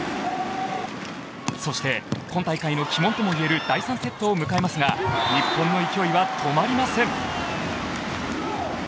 そして、今大会の鬼門といえる第３セットを迎えますが日本の勢いは止まりません。